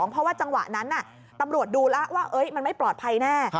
เพราะว่าจังหวะนั้นตำรวจดูแล้วว่ามันไม่ปลอดภัยแน่